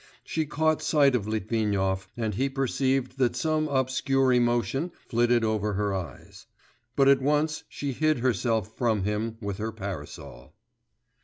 She caught sight of Litvinov, and he perceived that some obscure emotion flitted over her eyes; but at once she hid herself from him with her parasol.